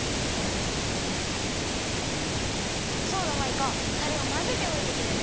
そうだマイカタレをまぜておいてくれる？